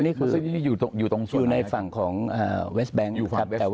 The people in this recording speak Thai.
นี่คือมัสยิตนี้อยู่ตรงอยู่ตรงส่วนไหนอยู่ในฝั่งของเอ่อเวสแบงค์อยู่ฝั่งเวสแบงค์